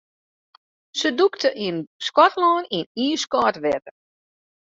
Se dûkte yn Skotlân yn iiskâld wetter.